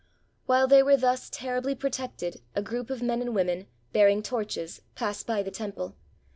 While they were thus terribly protected a group of men and women, bearing torches, passed by the temple.